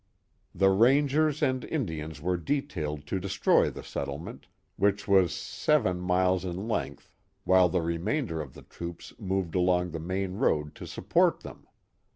The rangers and Indians were detailed to destroy the settlement, which was seven (?) miles in length, while the remainder of the troops moved along the main road lo support them.